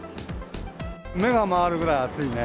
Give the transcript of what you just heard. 目が回るぐらい暑いね。